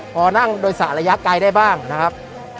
พอนั่งโดยสารระยะไกลได้บ้างนะครับ